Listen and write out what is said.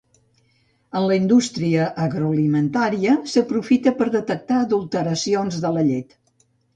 En la indústria agroalimentària, s'aprofita per detectar adulteracions de la llet.